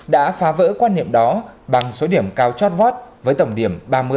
đã phá vỡ quan niệm đó bằng số điểm cao chót vót với tầm điểm ba mươi